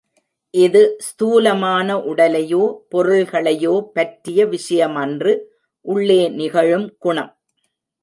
இது ஸ்தூலமான உடலையோ, பொருள்களையோ பற்றிய விஷயமன்று, உள்ளே நிகழும் குணம்.